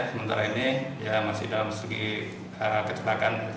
sementara ini masih dalam segi kecelakaan